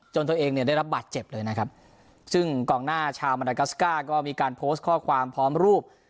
ตัวเองเนี่ยได้รับบาดเจ็บเลยนะครับซึ่งกองหน้าชาวมันดากัสก้าก็มีการโพสต์ข้อความพร้อมรูป